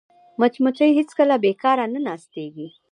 مچمچۍ هېڅکله بیکاره نه ناستېږي